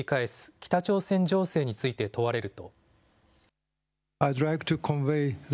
北朝鮮情勢について問われると。